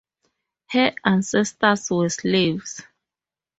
Her ancestors were slaves.